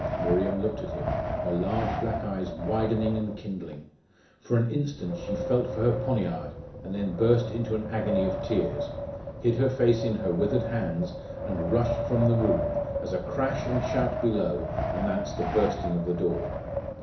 Miriam looked at him, her large black eyes widening and kindling. For an instant she felt for her poniard and then burst into an agony of tears, hid her face in her withered hands, and rushed from the room, as a crash and shout below announced the bursting of the door.